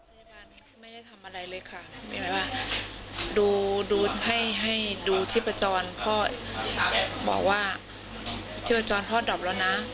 พยาบาลไม่ได้ทำอะไรเลยค่ะดูดูให้ให้ดูชีพจรพ่อบอกว่าชีพจรพ่อดอบแล้วนะ